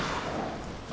あ！